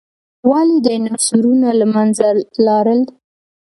ولې ډیناسورونه له منځه لاړل؟